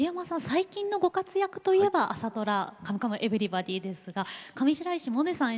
最近のご活躍といえば朝ドラ「カムカムエヴリバディ」ですが上白石萌音さん